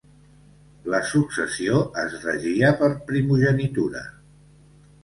La successió es regia per primogenitura.